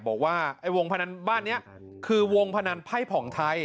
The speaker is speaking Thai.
บอกว่าไอ้วงพนันบ้านนี้คือวงพนันไพ่ผ่องไทย